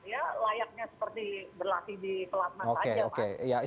ya layaknya seperti berlatih di pelatnat saja